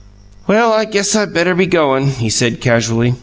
"Well, I guess I better be goin'," he said casually.